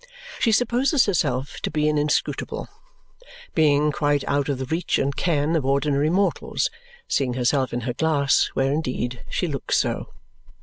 She supposes herself to be an inscrutable Being, quite out of the reach and ken of ordinary mortals seeing herself in her glass, where indeed she looks so.